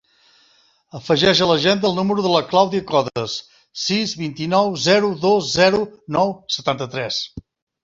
Afegeix a l'agenda el número de la Clàudia Codes: sis, vint-i-nou, zero, dos, zero, nou, setanta-tres.